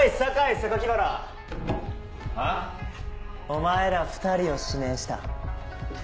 お前ら２人を指名した。